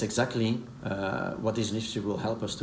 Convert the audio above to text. dan itu adalah inisiatif ini yang akan membantu